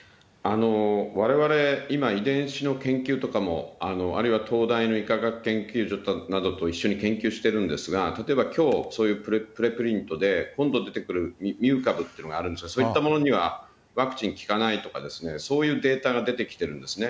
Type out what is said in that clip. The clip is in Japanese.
われわれ、今、遺伝子の研究とかも、あるいは東大の医科学研究所などと一緒に研究してるんですが、例えばきょうそういうプレプリントで今度出てくるミュー株っていうのがあるんですが、ワクチン効かないとかですね、そういうデータが出てきているんですね。